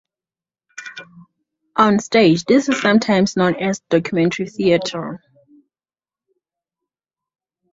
On stage, it is sometimes known as documentary theatre.